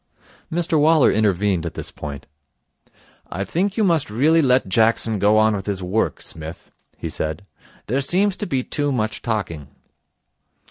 Mr Waller intervened at this point. 'I think you must really let Jackson go on with his work, Smith,' he said. 'There seems to be too much talking.'